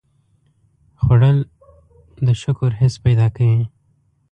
خوړل د شکر حس پیدا کوي